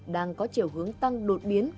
đang có chiều hướng tăng đột biến